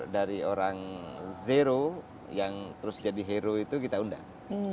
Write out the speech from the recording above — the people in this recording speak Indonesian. dari orang zero yang terus jadi hero itu kita undang